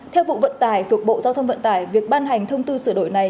theo vụ vận tải thuộc bộ giao thông vận tải việc ban hành thông tư sửa đổi này